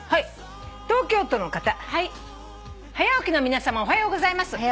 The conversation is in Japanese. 「『はや起き』の皆さまおはようございます」